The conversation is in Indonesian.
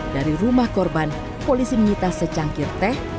dari rumah korban polisi menyita secangkir teh